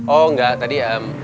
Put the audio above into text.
oh enggak tadi